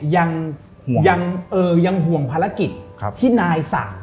ยังห่วงเออยังห่วงภารกิจที่นายสั่ง